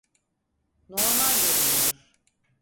Normal görünüyor.